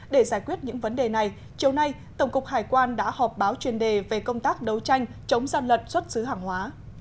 để giải quyết những vấn đề này chiều nay tổng cục hải quan đã họp báo chuyên đề về công tác đấu tranh chống gian lận xuất xứ hàng hóa